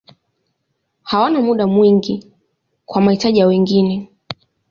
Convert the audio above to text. Hawana muda mwingi kwa mahitaji ya wengine.